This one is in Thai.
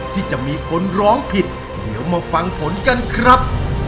ที่จะมีคนร้องผิดเดี๋ยวมาฟังผลกันครับ